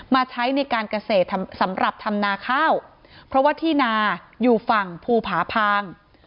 ใช้ในการเกษตรสำหรับทำนาข้าวเพราะว่าที่นาอยู่ฝั่งภูผาพาง